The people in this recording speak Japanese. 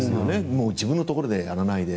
もう自分のところでやらないで。